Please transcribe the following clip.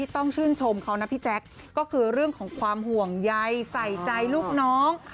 ต้องชื่นชมเขานะพี่แจ๊คก็คือเรื่องของความห่วงใยใส่ใจลูกน้อง